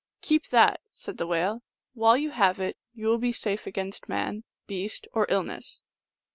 1 " Keep that," said the Whale. " While you have it you will be safe against man, beast, or illness.